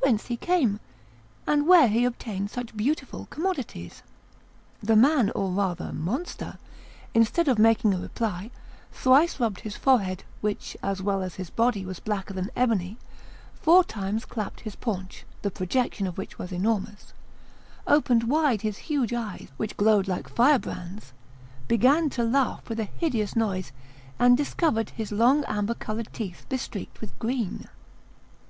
whence he came? and where he obtained such beautiful commodities?" The man, or rather monster, instead of making a reply, thrice rubbed his forehead, which, as well as his body, was blacker than ebony, four times clapped his paunch, the projection of which was enormous, opened wide his huge eyes, which glowed like firebrands, began to laugh with a hideous noise, and discovered his long amber coloured teeth bestreaked with green.